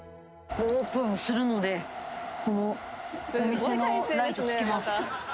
オープンするのでお店のライトつけます。